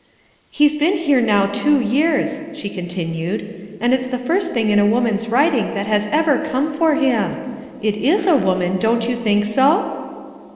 " He's been here now two years," she continued, " and it's the first thing in a woman's writing that has ever come for him. It is a woman, don't you think so?"